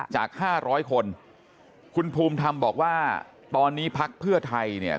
จาก๕๐๐คนคุณภูมิทำบอกว่าตอนนี้ภักดิ์เพื่อไทย